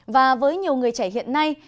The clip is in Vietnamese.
và với nhiều người trẻ hiện nay